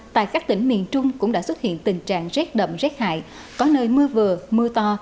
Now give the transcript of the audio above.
tại các tỉnh miền trung cũng đã xuất hiện tình trạng rét đậm rét hại có nơi mưa vừa mưa to